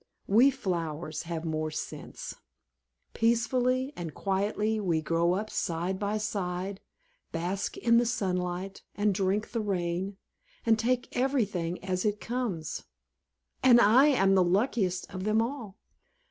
We flowers have more sense. Peacefully and quietly we grow up side by side, bask in the sunshine, and drink the rain, and take everything as it comes. And I am the luckiest of them all.